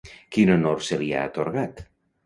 Quin honor se li ha atorgat?